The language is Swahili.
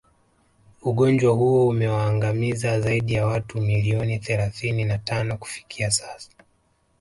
Ugonjwa huo umewaangamiza zaidi ya watu milioni thalathini na tano kufikia sasa